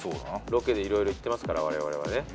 ロケで色々行ってますからわれわれはね。